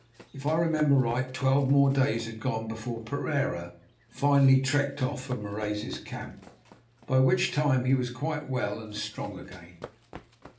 If I remember right, twelve more days had gone by before Pereira finally trekked off from Marais's camp, by which time he was quite well and strong again.